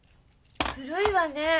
古いわねえ。